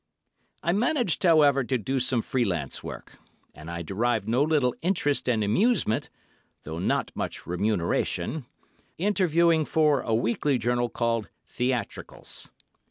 I managed, however, to do some free lance work, and I derived no little interest and amusement, though not much remuneration, interviewing for a weekly journal called "Theatricals."